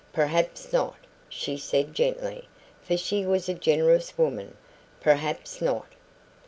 "Perhaps not," she said gently, for she was a generous woman "perhaps not.